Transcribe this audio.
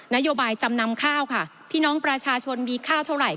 นโยบายจำนำข้าวค่ะพี่น้องประชาชนมีข้าวเท่าไหร่